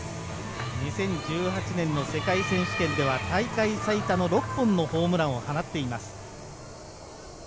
２０１８年の世界選手権では大会最多の６本のホームランを放っています。